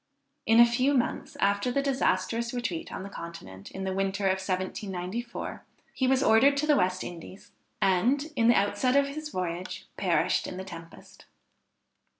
In a few months after the disastrous retreat on the Continent, in the winter 1794, he was ordered to the West Indies, and, in the outset of his voyage, perished in the tempest.